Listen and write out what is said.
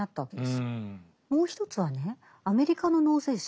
もう一つはねアメリカの納税者